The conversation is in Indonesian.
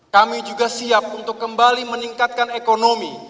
kami juga siap untuk kembali meningkatkan ekonomi